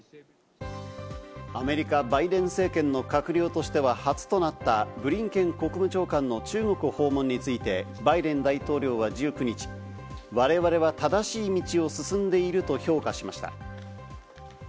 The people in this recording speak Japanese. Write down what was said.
アメリカ、バイデン政権の閣僚としては初となったブリンケン国務長官の中国訪問について、バイデン大統領は１９日、我々は正しい道を進んでいると評価しました。